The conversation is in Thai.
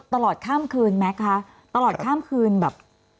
ตลอดข้ามคืนไหมคะตลอดข้ามคืนแบบ